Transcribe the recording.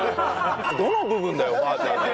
どの部分だよおばあちゃんの。